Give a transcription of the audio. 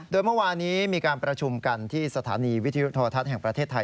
โดยเมื่อวานี้มีการประชุมกันที่สถานีวิทยุโทรทัศน์แห่งประเทศไทย